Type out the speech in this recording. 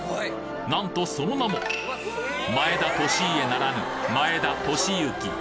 なんとその名も前田利家ならぬ前田利之。